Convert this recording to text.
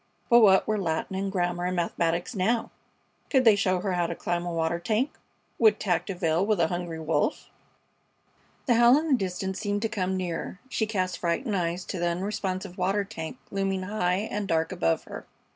But what were Latin and German and mathematics now? Could they show her how to climb a water tank? Would tact avail with a hungry wolf? The howl in the distance seemed to come nearer. She cast frightened eyes to the unresponsive water tank looming high and dark above her.